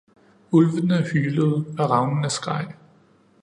Ulvene hylede, og ravnene skreg